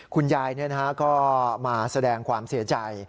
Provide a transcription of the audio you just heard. คุณยายก็มาแสดงความเสียใจ